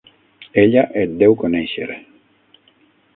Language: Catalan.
Ella et deu conèixer.